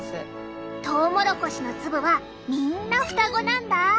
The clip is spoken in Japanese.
トウモロコシの粒はみんな双子なんだ！